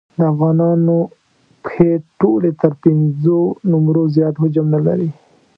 د افغانانو پښې ټولې تر پېنځو نمبرو زیات حجم نه لري.